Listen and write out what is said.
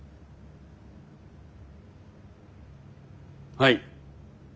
はい。